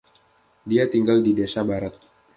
Dia tinggal di Desa Barat.